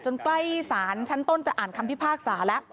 ใกล้ศาลชั้นต้นจะอ่านคำพิพากษาแล้ว